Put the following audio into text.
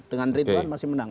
dengan retweet masih menang